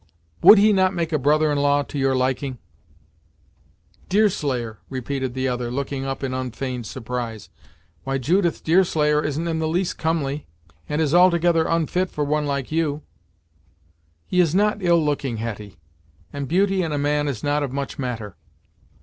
"Would he not make a brother in law to your liking?" "Deerslayer!" repeated the other, looking up in unfeigned surprise. "Why, Judith, Deerslayer isn't in the least comely, and is altogether unfit for one like you!" "He is not ill looking, Hetty, and beauty in a man is not of much matter."